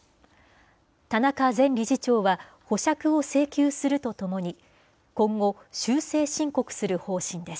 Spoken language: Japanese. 田中前理事長は、保釈を請求するとともに、今後、修正申告する方針です。